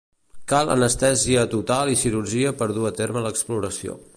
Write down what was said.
Cal anestèsia total i cirurgia per dur a terme l'exploració.